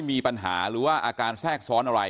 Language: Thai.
อันนี้มันต้องมีเครื่องชีพในกรณีที่มันเกิดเหตุวิกฤตจริงเนี่ย